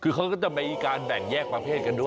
คือเขาก็จะมีการแบ่งแยกประเภทกันด้วย